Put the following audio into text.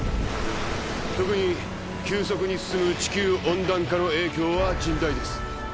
特に急速に進む地球温暖化の影響は甚大です